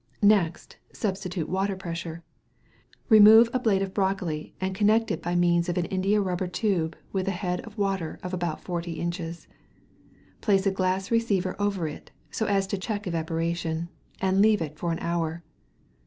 Next substitute water pressure. Remove a blade of broccoli and connect it by means of an india rubber tube with a head of water of about forty inches. Place a glass receiver over it, so as to check evaporation, and leave it for an hour.